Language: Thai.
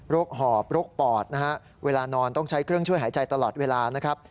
หอบโรคปอดนะฮะเวลานอนต้องใช้เครื่องช่วยหายใจตลอดเวลานะครับ